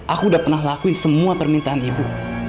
aku udah pernah lakuin semua permintaan ibu